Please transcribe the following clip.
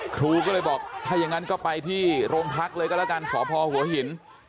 ครูก็เลยบอกถ้าอย่างนั้นก็ไปที่โรงพักเลยก็แล้วกันสพหัวหิน